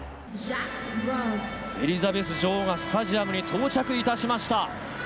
エリザベス女王がスタジアムに到着しました。